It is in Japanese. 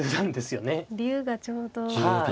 竜がちょうど。